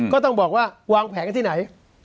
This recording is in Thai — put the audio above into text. ก็ต้องบอกว่าวางแผนกันที่ไหน